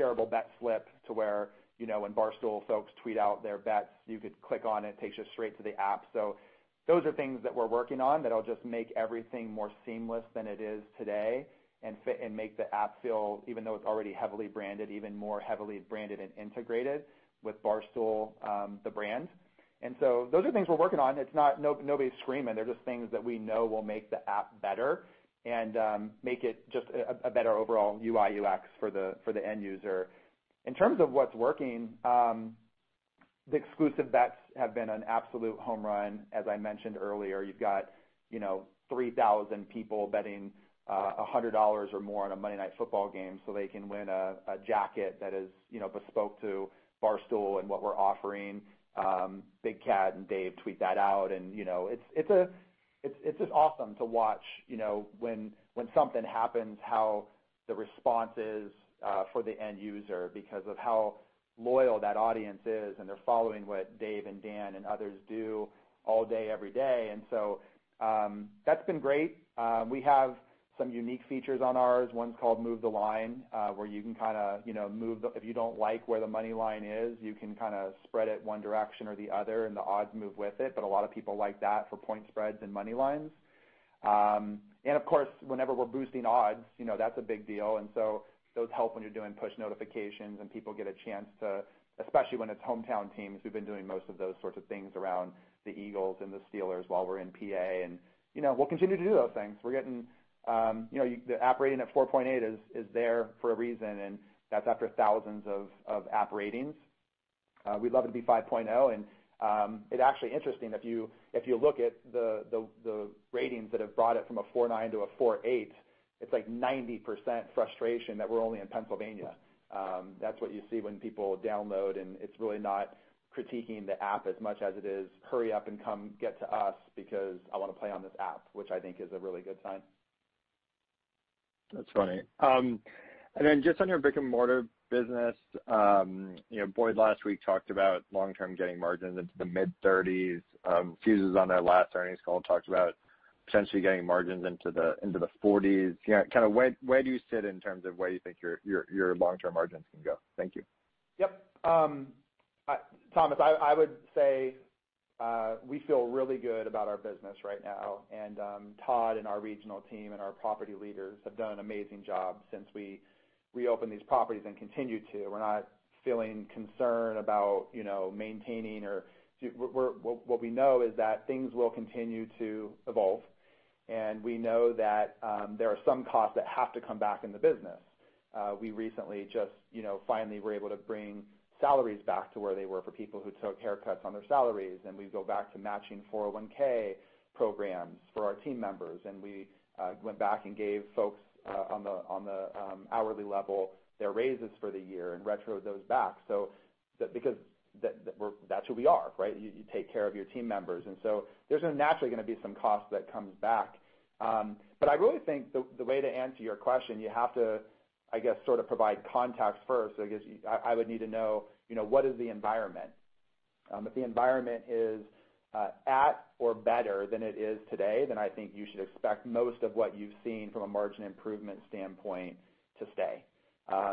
Shareable bet slip to where when Barstool folks tweet out their bets, you could click on it, takes you straight to the app. Those are things that we're working on that'll just make everything more seamless than it is today and make the app feel, even though it's already heavily branded, even more heavily branded and integrated with Barstool, the brand. Those are things we're working on. Nobody's screaming. They're just things that we know will make the app better and make it just a better overall UI/UX for the end user. In terms of what's working, the exclusive bets have been an absolute home run. As I mentioned earlier, you've got 3,000 people betting $100 or more on a Monday Night Football game so they can win a jacket that is bespoke to Barstool and what we're offering. Big Cat and Dave tweet that out. It's just awesome to watch when something happens, how the response is for the end user because of how loyal that audience is, and they're following what Dave and Dan and others do all day, every day. That's been great. We have some unique features on ours. One's called Move the Line where if you don't like where the money line is, you can kind of spread it one direction or the other and the odds move with it. A lot of people like that for point spreads and money lines. Of course, whenever we're boosting odds, that's a big deal. Those help when you're doing push notifications and people get a chance to, especially when it's hometown teams, we've been doing most of those sorts of things around the Eagles and the Steelers while we're in PA. We'll continue to do those things. The app rating of 4.8 is there for a reason, and that's after thousands of app ratings. We'd love it to be 5.0. It's actually interesting, if you look at the ratings that have brought it from a 4.9 to a 4.8, it's like 90% frustration that we're only in Pennsylvania. That's what you see when people download, and it's really not critiquing the app as much as it is, "Hurry up and come get to us because I want to play on this app," which I think is a really good sign. That's funny. Just on your brick-and-mortar business. Boyd last week talked about long-term getting margins into the mid-30s. Caesars on their last earnings call talked about potentially getting margins into the 40s. Where do you sit in terms of where you think your long-term margins can go? Thank you. Yep. Thomas, I would say we feel really good about our business right now. Todd and our regional team and our property leaders have done an amazing job since we reopened these properties and continue to. We're not feeling concerned about What we know is that things will continue to evolve, and we know that there are some costs that have to come back in the business. We recently just finally were able to bring salaries back to where they were for people who took haircuts on their salaries. We go back to matching 401(k) programs for our team members. We went back and gave folks on the hourly level their raises for the year and retro those back. Because that's who we are, right? You take care of your team members. So there's naturally going to be some cost that comes back. I really think the way to answer your question, you have to, I guess, provide context first, because I would need to know what is the environment. If the environment is at or better than it is today, I think you should expect most of what you've seen from a margin improvement standpoint to stay.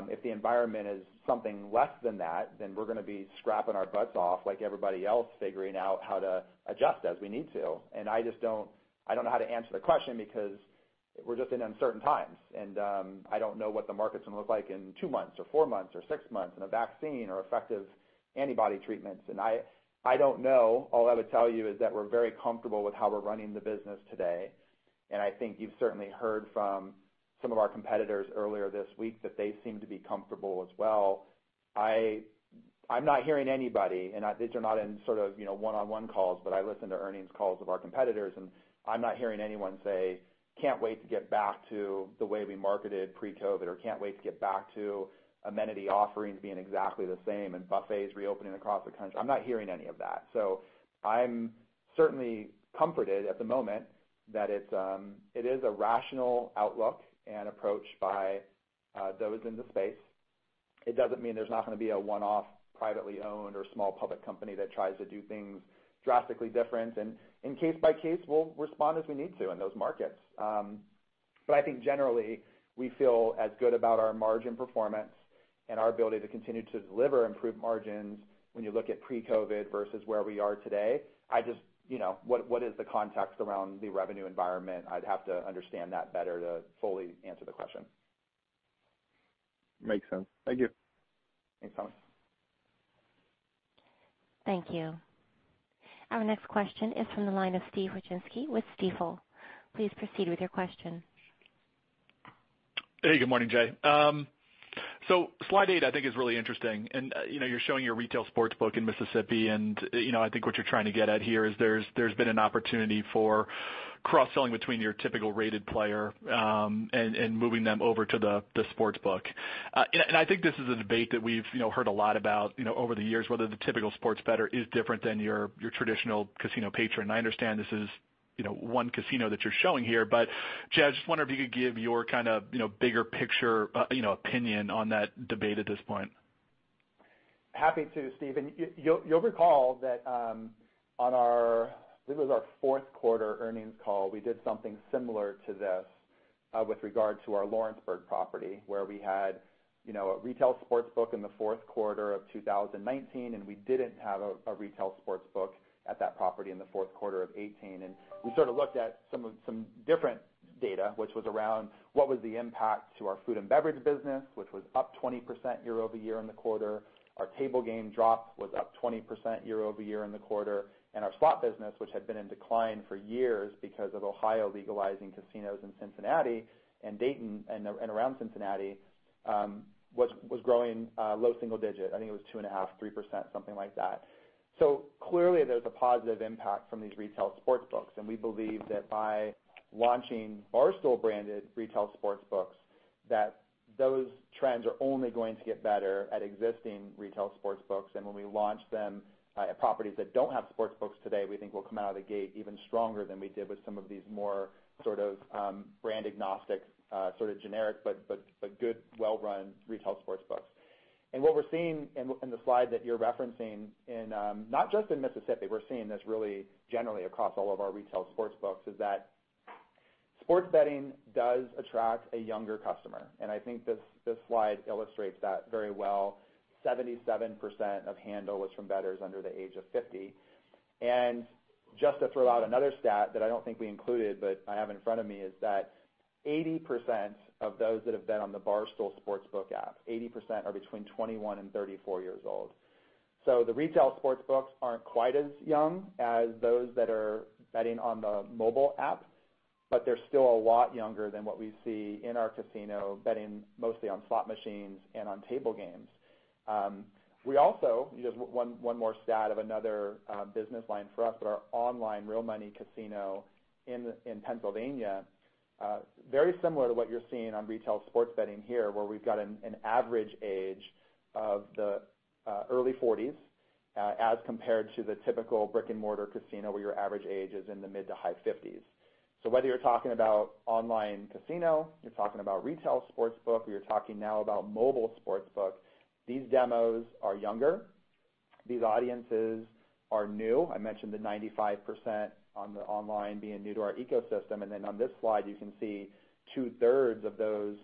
If the environment is something less than that, we're going to be scrapping our butts off like everybody else, figuring out how to adjust as we need to. I don't know how to answer the question because we're just in uncertain times, and I don't know what the market's going to look like in two months or four months or six months in a vaccine or effective antibody treatments. I don't know. All I would tell you is that we're very comfortable with how we're running the business today, and I think you've certainly heard from some of our competitors earlier this week that they seem to be comfortable as well. I'm not hearing anybody, and these are not in one-on-one calls, but I listen to earnings calls of our competitors, and I'm not hearing anyone say, "Can't wait to get back to the way we marketed pre-COVID," or, "Can't wait to get back to amenity offerings being exactly the same and buffets reopening across the country." I'm not hearing any of that. I'm certainly comforted at the moment that it is a rational outlook and approach by those in the space. It doesn't mean there's not going to be a one-off, privately owned or small public company that tries to do things drastically different. Case by case, we'll respond as we need to in those markets. I think generally, we feel as good about our margin performance and our ability to continue to deliver improved margins when you look at pre-COVID versus where we are today. What is the context around the revenue environment? I'd have to understand that better to fully answer the question. Makes sense. Thank you. Thanks, Thomas. Thank you. Our next question is from the line of Steve Wieczynski with Stifel. Please proceed with your question. Hey, good morning, Jay. Slide eight, I think is really interesting. You're showing your retail sports book in Mississippi, and I think what you're trying to get at here is there's been an opportunity for cross-selling between your typical rated player and moving them over to the sports book. I think this is a debate that we've heard a lot about over the years, whether the typical sports bettor is different than your traditional casino patron. I understand this is one casino that you're showing here, but Jay, I just wonder if you could give your kind of bigger picture opinion on that debate at this point. Happy to, Steve. You'll recall that on our, I think it was our fourth quarter earnings call, we did something similar to this with regard to our Lawrenceburg property, where we had a retail sports book in the fourth quarter of 2019, and we didn't have a retail sports book at that property in the fourth quarter of 2018. We sort of looked at some different data, which was around what was the impact to our food and beverage business, which was up 20% year-over-year in the quarter. Our table game drop was up 20% year-over-year in the quarter. Our slot business, which had been in decline for years because of Ohio legalizing casinos in Cincinnati and Dayton and around Cincinnati, was growing low single digit. I think it was 2.5%, 3%, something like that. Clearly, there's a positive impact from these retail sportsbooks. We believe that by launching Barstool branded retail sportsbooks, those trends are only going to get better at existing retail sportsbooks. When we launch them at properties that don't have sportsbooks today, we think we'll come out of the gate even stronger than we did with some of these more sort of brand agnostic, sort of generic, but good, well-run retail sportsbooks. What we're seeing in the slide that you're referencing, not just in Mississippi, we're seeing this really generally across all of our retail sportsbooks, is that Sports betting does attract a younger customer, and I think this slide illustrates that very well. 77% of handle is from bettors under the age of 50. Just to throw out another stat that I don't think we included, but I have in front of me, is that 80% of those that have bet on the Barstool Sportsbook app, 80% are between 21 and 34 years old. The retail sportsbooks aren't quite as young as those that are betting on the mobile app, but they're still a lot younger than what we see in our casino betting mostly on slot machines and on table games. We also, just one more stat of another business line for us, but our online real money casino in Pennsylvania, very similar to what you're seeing on retail sports betting here, where we've got an average age of the early 40s, as compared to the typical brick-and-mortar casino, where your average age is in the mid to high 50s. Whether you're talking about online casino, you're talking about retail sportsbook, or you're talking now about mobile sportsbook, these demos are younger. These audiences are new. I mentioned the 95% on the online being new to our ecosystem. On this slide, you can see two-thirds of those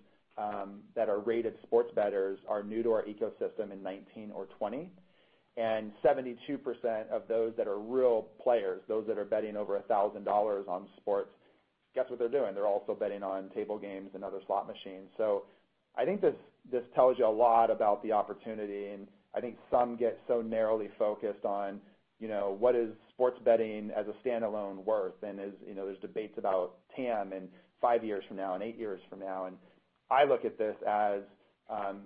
that are rated sports bettors are new to our ecosystem in 2019 or 2020. 72% of those that are real players, those that are betting over $1,000 on sports, guess what they're doing? They're also betting on table games and other slot machines. I think this tells you a lot about the opportunity, and I think some get so narrowly focused on what is sports betting as a standalone worth. There's debates about TAM and five years from now and eight years from now. I look at this as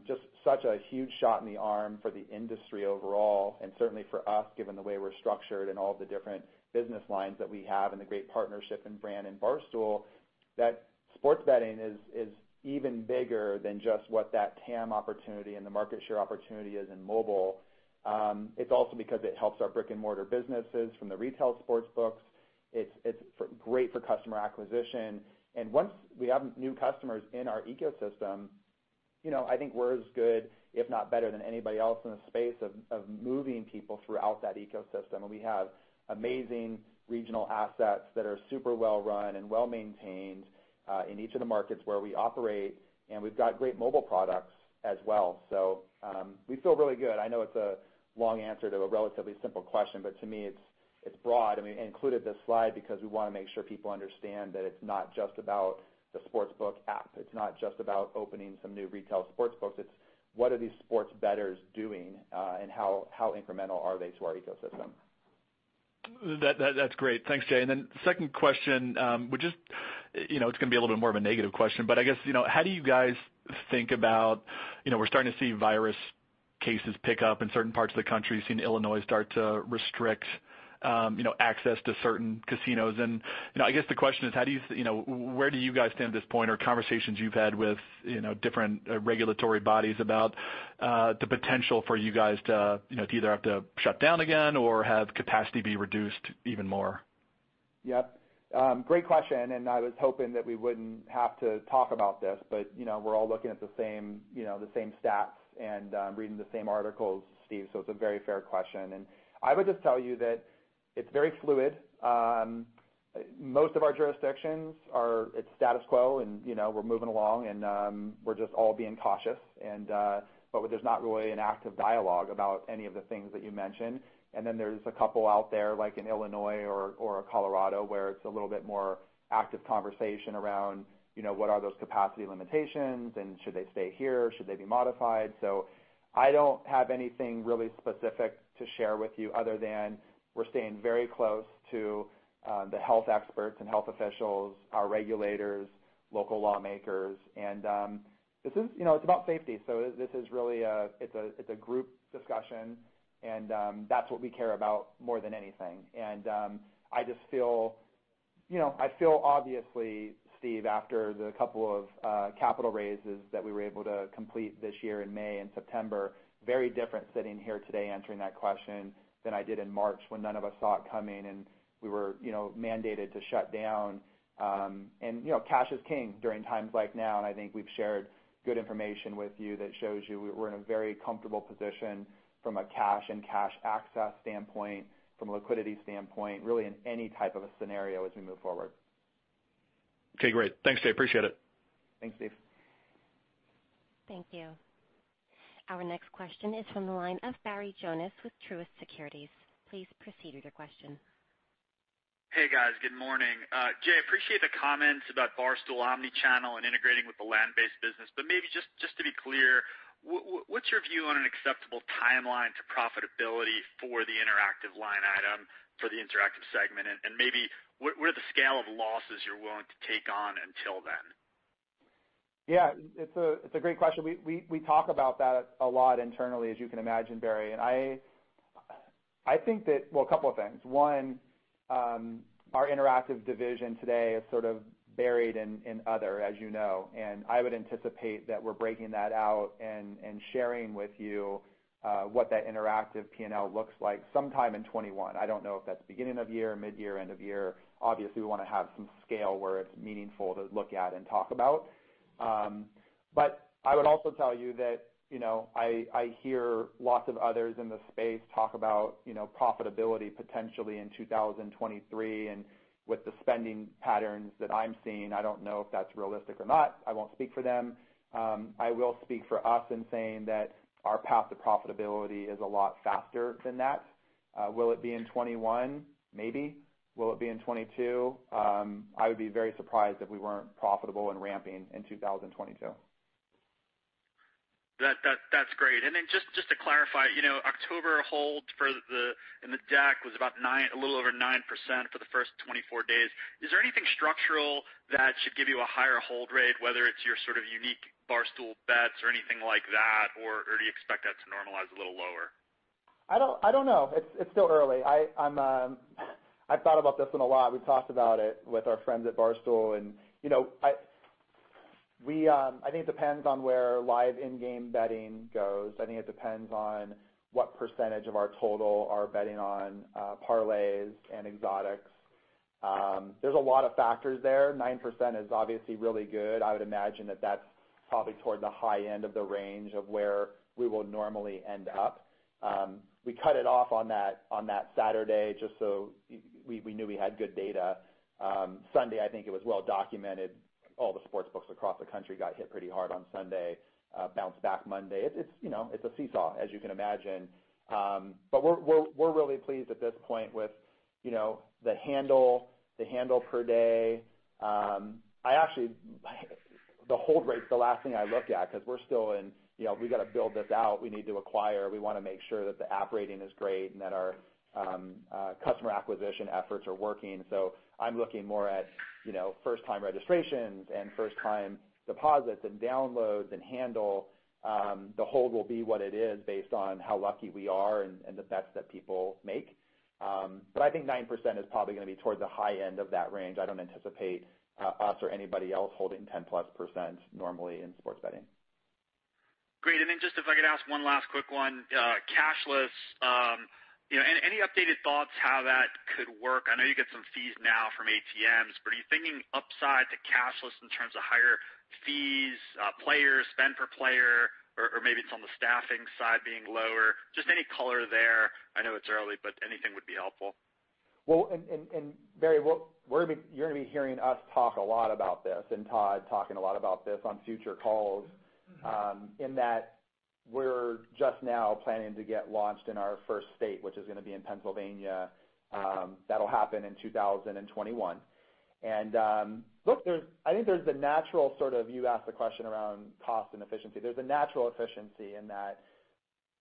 just such a huge shot in the arm for the industry overall, and certainly for us, given the way we're structured and all the different business lines that we have and the great partnership and brand in Barstool, that sports betting is even bigger than just what that TAM opportunity and the market share opportunity is in mobile. It's also because it helps our brick-and-mortar businesses from the retail sportsbooks. It's great for customer acquisition. Once we have new customers in our ecosystem, I think we're as good, if not better than anybody else in the space of moving people throughout that ecosystem. We have amazing regional assets that are super well run and well-maintained, in each of the markets where we operate. We've got great mobile products as well. We feel really good. I know it's a long answer to a relatively simple question, but to me, it's broad. We included this slide because we want to make sure people understand that it's not just about the sportsbook app. It's not just about opening some new retail sportsbooks. It's what are these sports bettors doing, and how incremental are they to our ecosystem? That's great. Thanks, Jay. Second question, which is going to be a little bit more of a negative question, but I guess, how do you guys think about, we're starting to see virus cases pick up in certain parts of the country. We've seen Illinois start to restrict access to certain casinos. I guess the question is, where do you guys stand at this point, or conversations you've had with different regulatory bodies about the potential for you guys to either have to shut down again or have capacity be reduced even more? Yep. Great question. I was hoping that we wouldn't have to talk about this. We're all looking at the same stats and reading the same articles, Steve. It's a very fair question. I would just tell you that it's very fluid. Most of our jurisdictions are, it's status quo and we're moving along and we're just all being cautious. There's not really an active dialogue about any of the things that you mentioned. Then there's a couple out there, like in Illinois or Colorado, where it's a little bit more active conversation around, what are those capacity limitations, and should they stay here? Should they be modified? I don't have anything really specific to share with you other than we're staying very close to the health experts and health officials, our regulators, local lawmakers. It's about safety. This is really a group discussion, and that's what we care about more than anything. I feel obviously, Steve, after the couple of capital raises that we were able to complete this year in May and September, very different sitting here today answering that question than I did in March when none of us saw it coming and we were mandated to shut down. Cash is king during times like now, and I think we've shared good information with you that shows you we're in a very comfortable position from a cash and cash access standpoint, from a liquidity standpoint, really in any type of a scenario as we move forward. Okay, great. Thanks, Jay. Appreciate it. Thanks, Steve. Thank you. Our next question is from the line of Barry Jonas with Truist Securities. Please proceed with your question. Hey, guys. Good morning. Jay, appreciate the comments about Barstool omni-channel and integrating with the land-based business. Maybe just to be clear, what's your view on an acceptable timeline to profitability for the interactive line item for the interactive segment? Maybe where are the scale of losses you're willing to take on until then? Yeah, it's a great question. We talk about that a lot internally, as you can imagine, Barry. I think that, well, a couple of things. One, our interactive division today is sort of buried in other, as you know, and I would anticipate that we're breaking that out and sharing with you what that interactive P&L looks like sometime in 2021. I don't know if that's beginning of year, mid-year, end of year. Obviously, we want to have some scale where it's meaningful to look at and talk about. I would also tell you that I hear lots of others in the space talk about profitability potentially in 2023, and with the spending patterns that I'm seeing, I don't know if that's realistic or not. I won't speak for them. I will speak for us in saying that our path to profitability is a lot faster than that. Will it be in 2021? Maybe. Will it be in 2022? I would be very surprised if we weren't profitable and ramping in 2022. That's great. Just to clarify, October hold in the [deck] was a little over 9% for the first 24 days. Is there anything structural that should give you a higher hold rate, whether it's your sort of unique Barstool bets or anything like that? Do you expect that to normalize a little lower? I don't know. It's still early. I've thought about this one a lot. We've talked about it with our friends at Barstool. I think it depends on where live in-game betting goes. I think it depends on what percentage of our total are betting on parlays and exotics. There's a lot of factors there. 9% is obviously really good. I would imagine that that's probably toward the high end of the range of where we will normally end up. We cut it off on that Saturday, just so we knew we had good data. Sunday, I think it was well documented. All the sportsbooks across the country got hit pretty hard on Sunday, bounced back Monday. It's a seesaw, as you can imagine. We're really pleased at this point with the handle per day. The hold rate's the last thing I look at because we've got to build this out. We need to acquire. We want to make sure that the app rating is great and that our customer acquisition efforts are working. I'm looking more at first-time registrations and first-time deposits and downloads and handle. The hold will be what it is based on how lucky we are and the bets that people make. I think 9% is probably going to be towards the high end of that range. I don't anticipate us or anybody else holding 10%+ normally in sports betting. Great. Just if I could ask one last quick one. Cashless. Any updated thoughts how that could work? I know you get some fees now from ATMs, are you thinking upside to cashless in terms of higher fees, players, spend per player, or maybe it's on the staffing side being lower? Just any color there. I know it's early, anything would be helpful. Well, Barry, you're going to be hearing us talk a lot about this and Todd talking a lot about this on future calls, in that we're just now planning to get launched in our first state, which is going to be in Pennsylvania. That'll happen in 2021. Look, you asked the question around cost and efficiency. There's a natural efficiency in that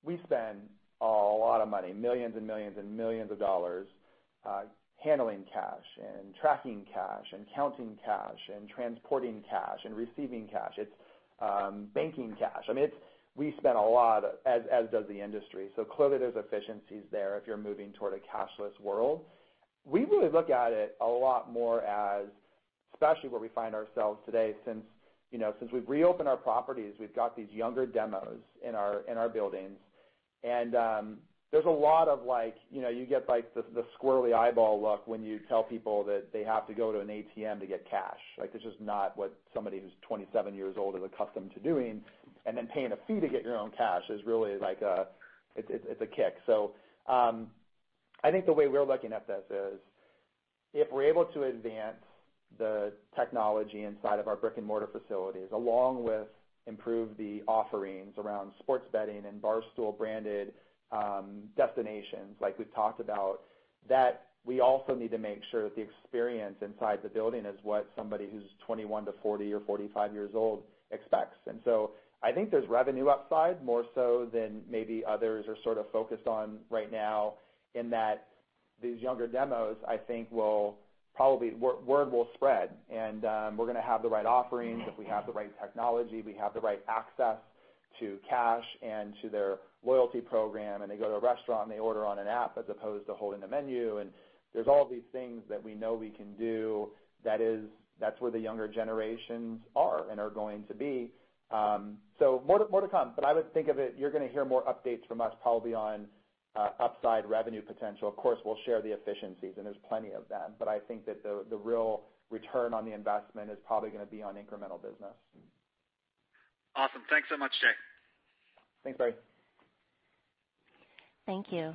we spend a lot of money, millions and millions and millions of dollars, handling cash and tracking cash and counting cash and transporting cash and receiving cash. It's banking cash. We spend a lot, as does the industry. Clearly, there's efficiencies there if you're moving toward a cashless world. We really look at it a lot more as, especially where we find ourselves today, since we've reopened our properties, we've got these younger demos in our buildings. There's a lot of, you get the squirrely eyeball look when you tell people that they have to go to an ATM to get cash. This is not what somebody who's 27 years old is accustomed to doing. Then paying a fee to get your own cash is really like a kick. I think the way we're looking at this is, if we're able to advance the technology inside of our brick-and-mortar facilities, along with improve the offerings around sports betting and Barstool-branded destinations like we've talked about, that we also need to make sure that the experience inside the building is what somebody who's 21-40 or 45 years old expects. I think there's revenue upside more so than maybe others are sort of focused on right now in that these younger demos, I think, word will spread and we're going to have the right offerings if we have the right technology, we have the right access to cash and to their loyalty program, and they go to a restaurant and they order on an app as opposed to holding a menu. There's all these things that we know we can do. That's where the younger generations are and are going to be. More to come, but I would think of it, you're going to hear more updates from us probably on upside revenue potential. Of course, we'll share the efficiencies, and there's plenty of them, but I think that the real return on the investment is probably going to be on incremental business. Awesome. Thanks so much, Jay. Thanks, Barry. Thank you.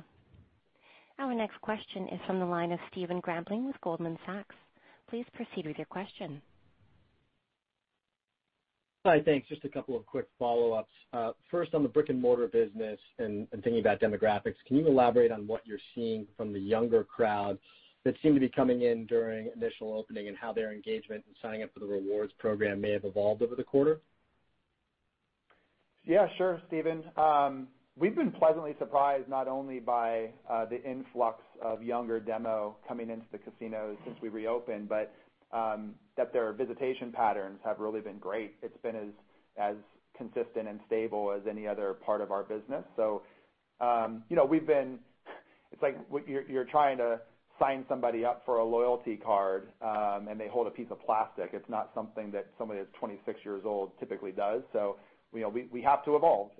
Our next question is from the line of Stephen Grambling with Goldman Sachs. Please proceed with your question. Hi, thanks. Just a couple of quick follow-ups. First, on the brick-and-mortar business and thinking about demographics, can you elaborate on what you're seeing from the younger crowd that seem to be coming in during initial opening and how their engagement and signing up for the rewards program may have evolved over the quarter? Yeah, sure, Stephen. We've been pleasantly surprised not only by the influx of younger demo coming into the casinos since we reopened, but that their visitation patterns have really been great. It's like you're trying to sign somebody up for a loyalty card, and they hold a piece of plastic. It's not something that somebody that's 26 years old typically does. We have to evolve.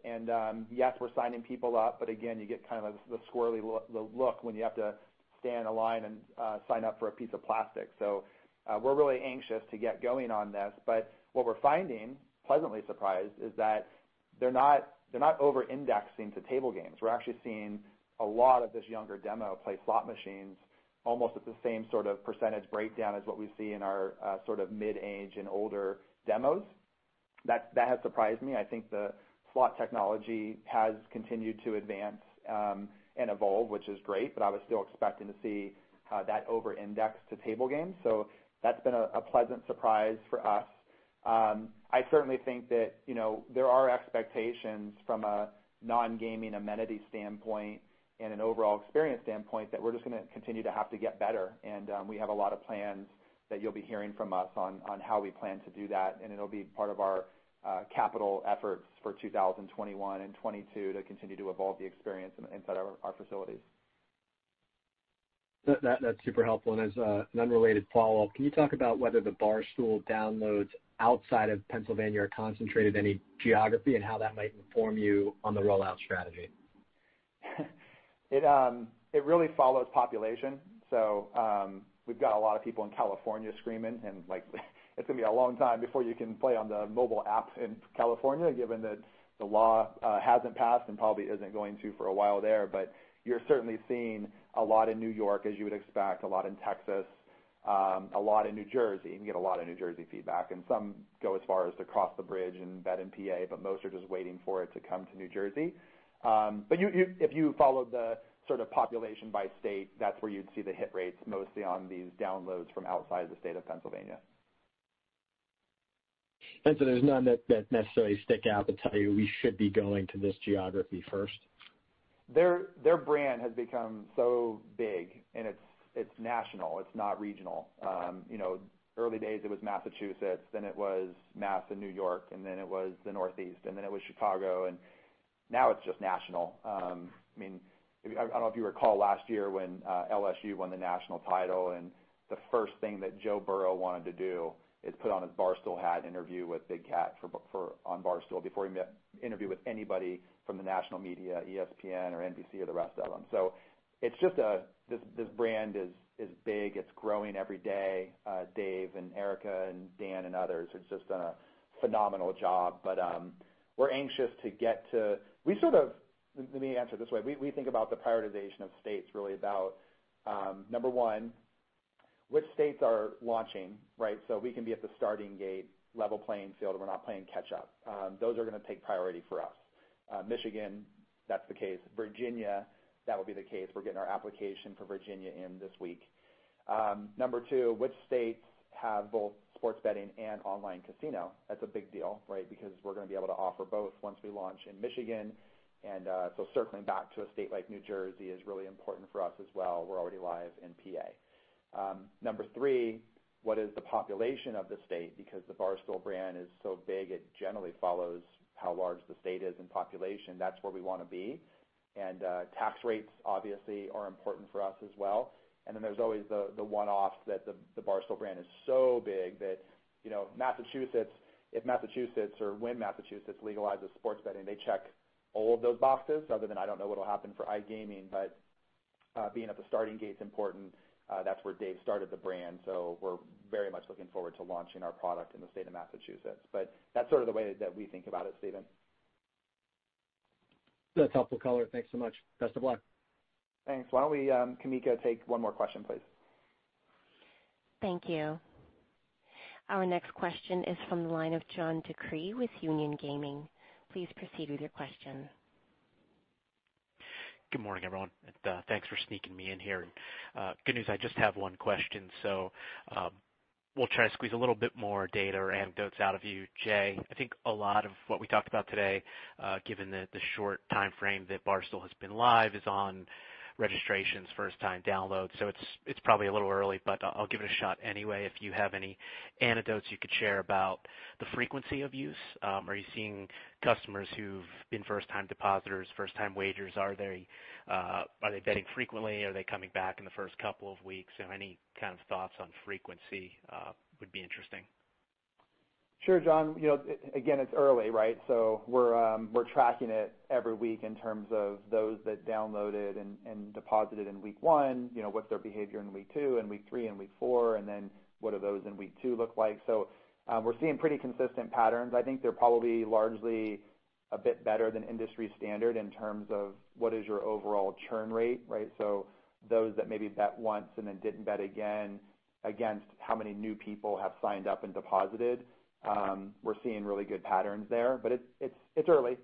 Yes, we're signing people up, again, you get kind of the squirrely look when you have to stand in a line and sign up for a piece of plastic. We're really anxious to get going on this. What we're finding, pleasantly surprised, is that they're not over-indexing to table games. We're actually seeing a lot of this younger demo play slot machines almost at the same sort of percentage breakdown as what we see in our sort of mid-age and older demos. That has surprised me. I think the slot technology has continued to advance, and evolve, which is great, but I was still expecting to see that over-index to table games. That's been a pleasant surprise for us. I certainly think that there are expectations from a non-gaming amenity standpoint and an overall experience standpoint that we're just going to continue to have to get better. We have a lot of plans that you'll be hearing from us on how we plan to do that, and it'll be part of our capital efforts for 2021 and 2022 to continue to evolve the experience inside our facilities. That's super helpful. As an unrelated follow-up, can you talk about whether the Barstool downloads outside of Pennsylvania are concentrated in any geography and how that might inform you on the rollout strategy? It really follows population. We've got a lot of people in California screaming, and it's going to be a long time before you can play on the mobile app in California, given that the law hasn't passed and probably isn't going to for a while there. You're certainly seeing a lot in New York, as you would expect, a lot in Texas, a lot in New Jersey. We get a lot of New Jersey feedback, and some go as far as to cross the bridge and bet in PA, but most are just waiting for it to come to New Jersey. If you follow the population by state, that's where you'd see the hit rates, mostly on these downloads from outside the state of Pennsylvania. There's none that necessarily stick out that tell you, we should be going to this geography first? Their brand has become so big, and it's national, it's not regional. Early days it was Massachusetts, then it was Mass and New York, and then it was the Northeast, and then it was Chicago, and now it's just national. I don't know if you recall last year when LSU won the national title, and the first thing that Joe Burrow wanted to do is put on his Barstool hat, interview with Big Cat on Barstool before he interview with anybody from the national media, ESPN or NBC or the rest of them. It's just this brand is big. It's growing every day. Dave and Erika and Dan and others have just done a phenomenal job. We're anxious to Let me answer it this way. We think about the prioritization of states really about, number one, which states are launching, right? We can be at the starting gate, level playing field, and we're not playing catch up. Those are going to take priority for us. Michigan, that's the case. Virginia, that will be the case. We're getting our application for Virginia in this week. Number two, which states have both sports betting and iCasino? That's a big deal, right? We're going to be able to offer both once we launch in Michigan. Circling back to a state like New Jersey is really important for us as well. We're already live in PA. Number three, what is the population of the state? The Barstool brand is so big, it generally follows how large the state is in population. That's where we want to be. Tax rates obviously are important for us as well. There's always the one-off that the Barstool brand is so big that if Massachusetts or when Massachusetts legalizes sports betting, they check all of those boxes. Other than, I don't know what'll happen for iGaming, but being at the starting gate's important. That's where Dave started the brand. We're very much looking forward to launching our product in the state of Massachusetts. That's sort of the way that we think about it, Stephen. That's helpful color. Thanks so much. Best of luck. Thanks. Why don't we, Kamika, take one more question, please? Thank you. Our next question is from the line of John DeCree with Union Gaming. Please proceed with your question. Good morning, everyone. Thanks for sneaking me in here. Good news, I just have one question. We'll try to squeeze a little bit more data or anecdotes out of you, Jay. I think a lot of what we talked about today, given the short timeframe that Barstool has been live, is on registrations, first-time downloads. It's probably a little early, but I'll give it a shot anyway. If you have any anecdotes you could share about the frequency of use. Are you seeing customers who've been first-time depositors, first-time wagers? Are they betting frequently? Are they coming back in the first couple of weeks? Any kind of thoughts on frequency would be interesting. Sure, John. It's early, right? We're tracking it every week in terms of those that downloaded and deposited in week one. What's their behavior in week two and week three and week four? What do those in week two look like? We're seeing pretty consistent patterns. I think they're probably largely a bit better than industry standard in terms of what is your overall churn rate, right? Those that maybe bet once and then didn't bet again against how many new people have signed up and deposited. We're seeing really good patterns there. It's early.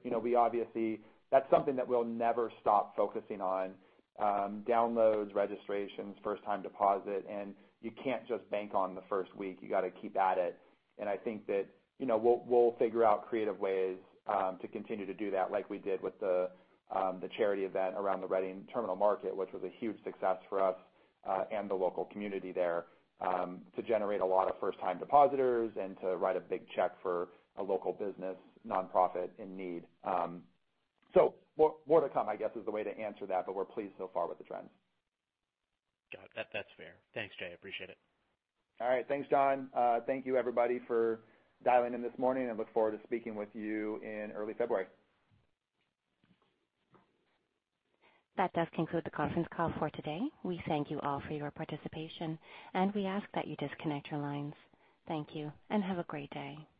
That's something that we'll never stop focusing on. Downloads, registrations, first-time deposit, you can't just bank on the first week. You got to keep at it. I think that we'll figure out creative ways to continue to do that like we did with the charity event around the Reading Terminal Market, which was a huge success for us, and the local community there, to generate a lot of first-time depositors and to write a big check for a local business nonprofit in need. More to come, I guess, is the way to answer that, but we're pleased so far with the trends. Got it. That's fair. Thanks, Jay, appreciate it. All right. Thanks, John. Thank you everybody for dialing in this morning, and look forward to speaking with you in early February. That does conclude the conference call for today. We thank you all for your participation, and we ask that you disconnect your lines. Thank you, and have a great day.